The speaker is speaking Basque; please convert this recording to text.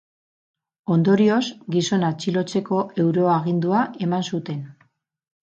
Ondorioz, gizona atxilotzeko euro-agindua eman zuten.